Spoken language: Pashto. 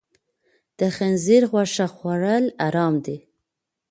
د خنزیر غوښه خوړل حرام دي.